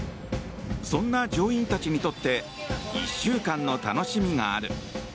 そんな乗員たちにとって１週間の楽しみがある。